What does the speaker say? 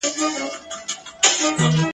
د سیالانو په ټولۍ کي قافلې روانومه ..